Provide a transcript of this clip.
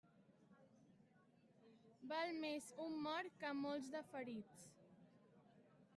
Val més un mort que molts de ferits.